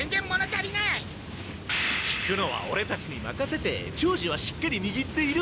引くのはオレたちにまかせて長次はしっかりにぎっていろ！